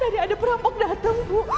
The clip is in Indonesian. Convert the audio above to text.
tadi ada perampok datang bu